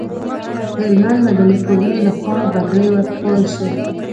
د هلمند مدني ټولنې لخوا بګړۍ ورکول شوه.